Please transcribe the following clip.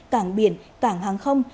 cảng biển cảng hàng không